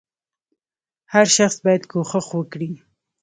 • هر شخص باید کوښښ وکړي.